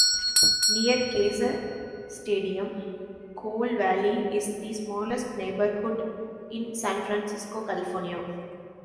Near Kezar Stadium, Cole Valley is the smallest neighborhood in San Francisco, California.